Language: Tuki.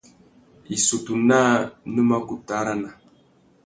Issutu naā nu mà kutu arana.